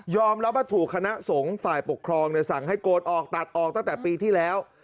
รับว่าถูกคณะสงฆ์ฝ่ายปกครองสั่งให้โกนออกตัดออกตั้งแต่ปีที่แล้ว